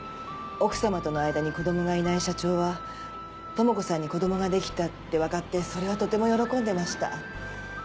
奥様との間に子供がいない社長は智子さんに子供ができたってわかってそれはとても喜んでました。